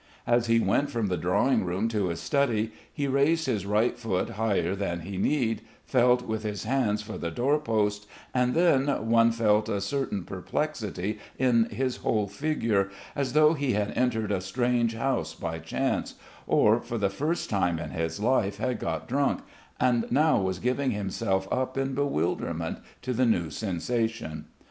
As he went from the drawing room to his study he raised his right foot higher than he need, felt with his hands for the door posts, and then one felt a certain perplexity in his whole figure, as though he had entered a strange house by chance, or for the first time in his life had got drunk, and now was giving himself up in bewilderment to the new sensation.